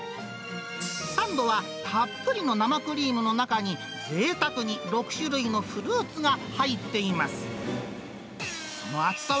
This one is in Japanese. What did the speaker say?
サンドはたっぷりの生クリームの中に、ぜいたくに６種類のフルーツが入っています。